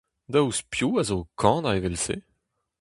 Daoust piv a zo o kanañ evel-se ?